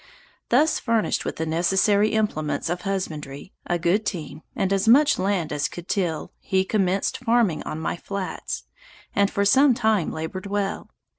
Thus furnished with the necessary implements of husbandry, a good team, and as much land as he could till, he commenced farming on my flats, and for some time labored well.